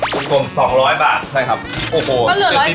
๔๐ถ้วยครึ่งผม๒๐๐บาทใช่ครับโอ้โหเกินเหลือ๑๓๐บาท